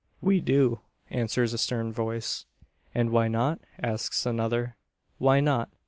"We do," answers a stern voice. "And why not?" asks another. "Why not!